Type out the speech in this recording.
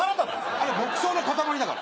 あれ牧草の塊だから。